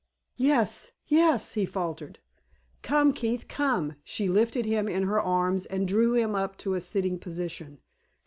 "Yes yes," he faltered. "Come, Keith, come!" She lifted him in her arms and drew him up to a sitting position.